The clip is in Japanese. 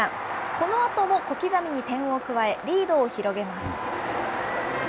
このあとも小刻みに点を加え、リードを広げます。